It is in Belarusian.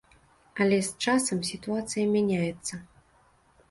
Але з часам сітуацыя мяняецца.